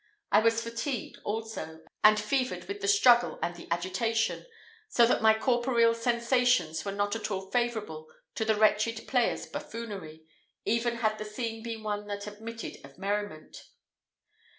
I was fatigued also, and fevered with the struggle and the agitation, so that my corporeal sensations were not at all favourable to the wretched player's buffoonery, even had the scene been one that admitted of merriment.